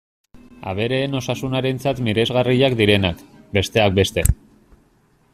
Abereen osasunarentzat miresgarriak direnak, besteak beste.